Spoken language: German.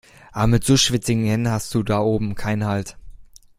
Aber mit so schwitzigen Händen hast du da oben keinen Halt.